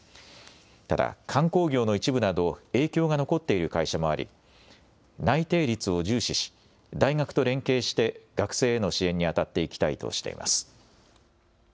ただ観光業の一部など影響が残っている会社もあり内定率を重視し大学と連携して学生への支援にあたっていきたいとしています。